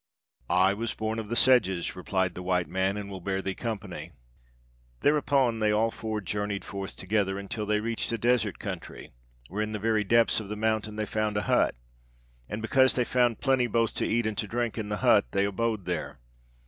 'I was born of the sedges,' replied the white man, 'and will bear thee company.' "Thereupon they all four journeyed forth together, until they reached a desert country, where, in the very depths of the mountain, they found a hut; and because they found plenty both to eat and to drink in the hut, they abode there.